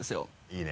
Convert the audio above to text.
いいね。